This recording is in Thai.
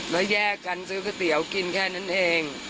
แล้วแยกกันซื้อก๋วยเตี๋ยวกินแค่นั้นเอง